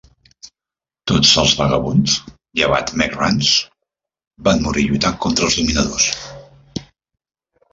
Tots els vagabunds, llevat Mekt Ranzz, van morir lluitant contra els dominadors.